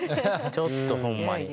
ちょっとほんまに。